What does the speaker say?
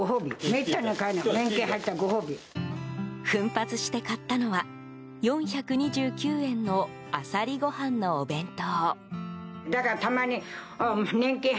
奮発して買ったのは４２９円のアサリご飯のお弁当。